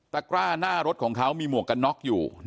กร้าหน้ารถของเขามีหมวกกันน็อกอยู่